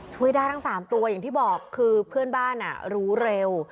ช่วยได้ทั้ง๓ตัวอย่างที่บอกคือเพื่อนบ้านรู้เร็ว